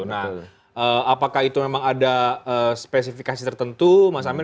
nah apakah itu memang ada spesifikasi tertentu mas amir